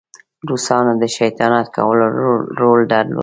روسانو د شیطانت کولو رول درلود.